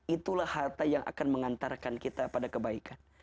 itulah harta yang akan mengantarkan kita pada kebaikan